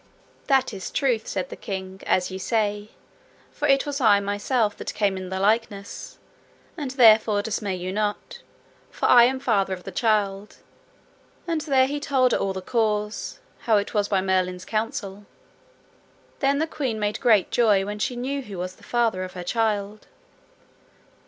That is truth, said the king, as ye say; for it was I myself that came in the likeness, and therefore dismay you not, for I am father of the child; and there he told her all the cause, how it was by Merlin's counsel. Then the queen made great joy when she knew who was the father of her child.